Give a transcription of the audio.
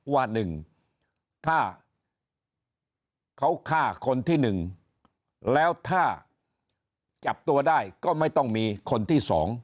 ว่าหนึ่งถ้าเขาฆ่าคนที่หนึ่งแล้วถ้าจับตัวได้ก็ไม่ต้องมีคนที่สอง